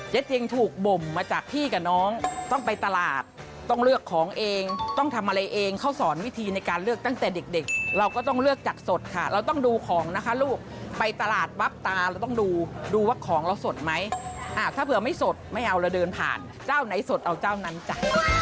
จริงถูกบ่มมาจากพี่กับน้องต้องไปตลาดต้องเลือกของเองต้องทำอะไรเองเขาสอนวิธีในการเลือกตั้งแต่เด็กเราก็ต้องเลือกจากสดค่ะเราต้องดูของนะคะลูกไปตลาดปั๊บตาเราต้องดูดูว่าของเราสดไหมถ้าเผื่อไม่สดไม่เอาเราเดินผ่านเจ้าไหนสดเอาเจ้านั้นจ้ะ